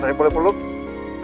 terall di luar